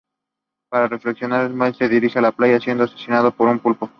Para reflexionar, Smythe se dirige a la playa, siendo asesinado por el pulpo.